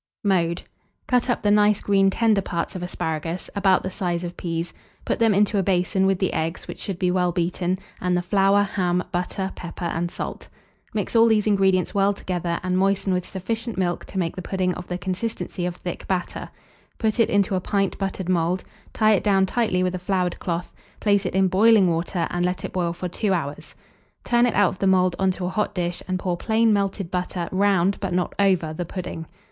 Mode. Cut up the nice green tender parts of asparagus, about the size of peas; put them into a basin with the eggs, which should be well beaten, and the flour, ham, butter, pepper, and salt. Mix all these ingredients well together, and moisten with sufficient milk to make the pudding of the consistency of thick batter; put it into a pint buttered mould, tie it down tightly with a floured cloth, place it in boiling water, and let it boil for 2 hours; turn it out of the mould on to a hot dish, and pour plain melted butter round, but not over, the pudding.